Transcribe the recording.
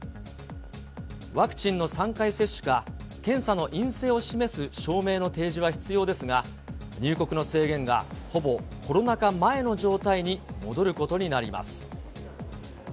ワクチンの３回接種か検査の陰性を示す証明の提示は必要ですが、入国の制限が、ほぼコロナ禍前の状態に戻ることになります。